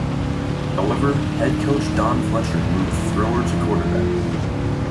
However, head coach Don Fletcher moved Thrower to quarterback.